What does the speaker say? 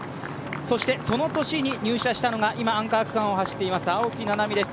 そしてその年に入社したのが今アンカー区間を走っています青木奈波です。